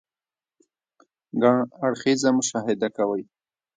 ګڼ اړخيزه مشاهده کوئ -